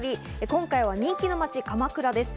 今回は人気の街・鎌倉です。